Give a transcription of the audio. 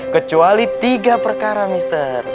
kecuali tiga perkara mister